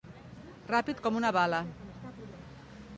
Ràpid com una bala.